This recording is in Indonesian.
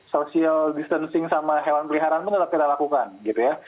social distancing sama hewan peliharaan pun tetap kita lakukan gitu ya